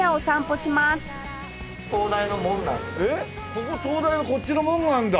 ここ東大のこっちの門なんだ！